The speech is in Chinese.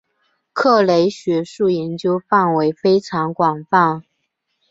格雷的学术研究范围非常广泛。